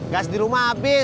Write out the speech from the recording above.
gas di rumah abis